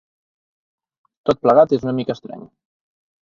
Tot plegat és una mica estrany.